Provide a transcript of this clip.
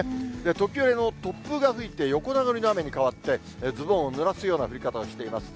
時折、突風が吹いて、横殴りの雨に変わって、ズボンをぬらすような降り方をしています。